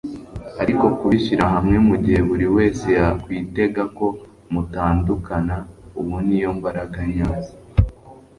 ariko kubishyira hamwe mugihe buriwese yakwitega ko mutandukana, ubu niyo mbaraga nyazo